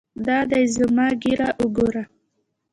دا دى زما ږيره وګوره.